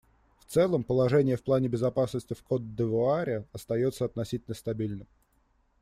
В целом, положение в плане безопасности в Кот-д'Ивуаре остается относительно стабильным.